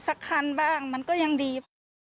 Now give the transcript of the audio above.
สักครั้งบ้างมันก็ยังดี